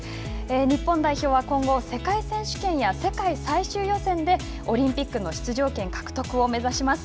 日本代表は今後、世界選手権や世界最終予選でオリンピックの出場権獲得を目指します。